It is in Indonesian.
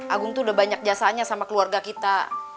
agung tuh udah banyak jasaannya sama keluarga kita